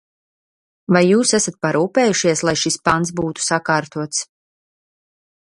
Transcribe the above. Vai jūs esat parūpējušies, lai šis pants būtu sakārtots?